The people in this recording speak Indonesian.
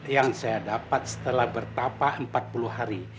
yang saya dapat setelah bertapah empat puluh hari